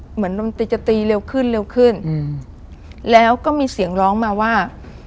เหมือนดนตรีจะตีเร็วขึ้นแล้วก็มีเสียงร้องมาว่า